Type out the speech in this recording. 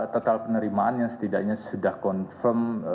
total penerimaan yang setidaknya sudah confirm